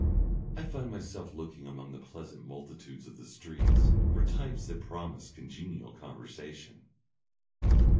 I find myself looking among the pleasant multitudes of the streets for types that promise congenial conversation.